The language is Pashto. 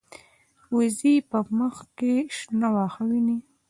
وزې په مخ کې شنه واښه ویني